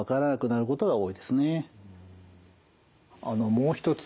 もう一つ